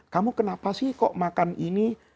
kamu kenapa sih kok makan ini